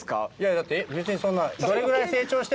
だって別にそんな。